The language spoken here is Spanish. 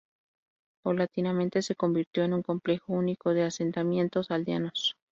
Paulatinamente se convirtió en un complejo único de asentamientos aldeanos.